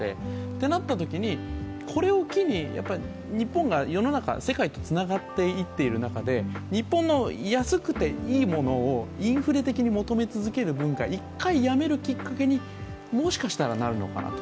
となったときに、これを機に日本が世の中、世界とつながっていっている中で日本の安くていいものをインフレ的に求め続ける文化一回やめるきっかけに、もしかしたらなるのかなと。